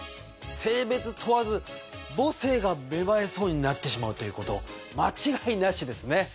性別問わず母性が芽生えそうになってしまうということ間違いなしですね。